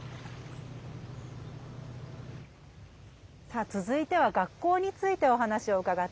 さあ続いては学校についてお話を伺っていきます。